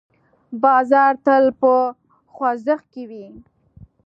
بازار تل په خوځښت کې وي.